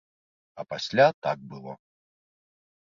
А пасля так было.